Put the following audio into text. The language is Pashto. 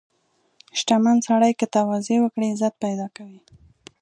• شتمن سړی که تواضع وکړي، عزت پیدا کوي.